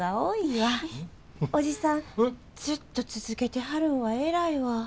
おじさんずっと続けてはるんは偉いわ。